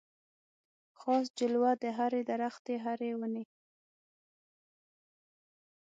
خاص جلوه د هري درختي هري وني